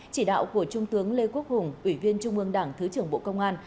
chỉ đạo của trung tướng lê quốc hùng ủy viên trung ương đảng thứ trưởng bộ công an